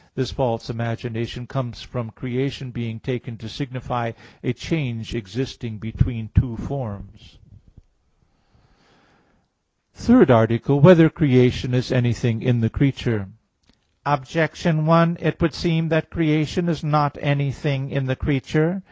This false imagination comes from creation being taken to signify a change existing between two forms. _______________________ THIRD ARTICLE [I, Q. 45, Art. 3] Whether Creation Is Anything in the Creature? Objection 1: It would seem that creation is not anything in the creature.